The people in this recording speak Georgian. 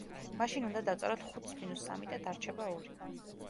მაშინ უნდა დავწეროთ ხუთს მინუს სამი და დარჩება ორი.